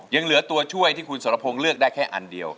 ยังเหลือตัวช่วยที่คุณสรพงศ์เลือกได้แค่อันเดียว